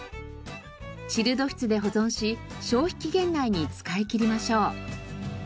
チルド室で保存し消費期限内に使い切りましょう。